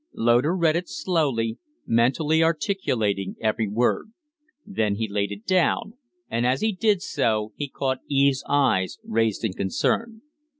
Loder read it slowly, mentally articulating every word; then he laid it down, and as he did so he caught Eve's eyes raised in concern.